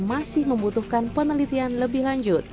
masih membutuhkan penelitian lebih lanjut